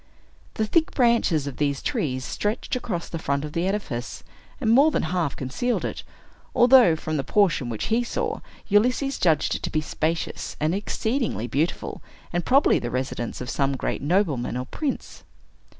The thick branches of these trees stretched across the front of the edifice, and more than half concealed it, although, from the portion which he saw, Ulysses judged it to be spacious and exceedingly beautiful, and probably the residence of some great nobleman or prince.